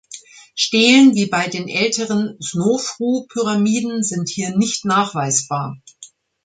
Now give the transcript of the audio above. Stelen wie bei den älteren Snofru-Pyramiden sind hier nicht nachweisbar.